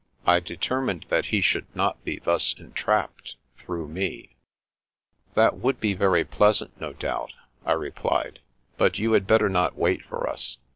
I deter 302 The Princess Passes mined that he should not be thus entrapped, through me. That would be very pleasant, no doubt," I re plied ;" but you had better not wait for us.